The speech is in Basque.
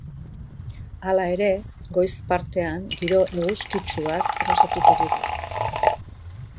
Hala ere, goiz partean giro eguzkitsuaz gozatuko dugu.